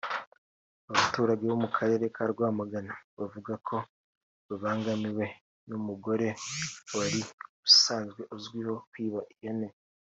Abaturage bo mu karere ka Rwamagana baravuga ko babangamiwe n’umugore wari usanzwe azwiho kwiba ihene